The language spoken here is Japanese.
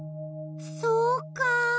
そうか。